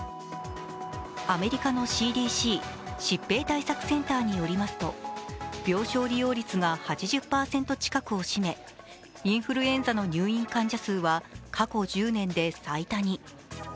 アメリカのＣＤＣ＝疾病対策センターによりますと病床利用率が８０％近くを占めインフルエンザの入院患者数は過去１０年で最多に。